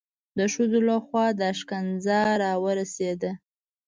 د ښځو لخوا دا ښکنځا را ورسېده.